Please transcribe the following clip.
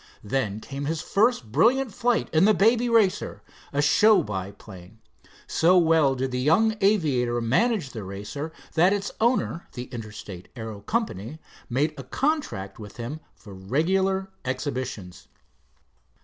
Then came his first brilliant flight in the Baby Racer, a show biplane. So well did the young aviator manage the Racer, that its owner, the Interstate Aero Company, made a contract with him for regular exhibitions.